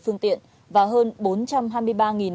phương tiện và hơn